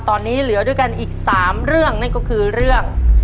ตอนนี้เหลือด้วยกันอีก๓เรื่องนั่นก็คือเรื่อง